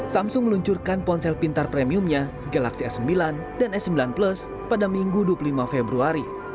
samsung meluncurkan ponsel pintar premiumnya galaksi s sembilan dan s sembilan plus pada minggu dua puluh lima februari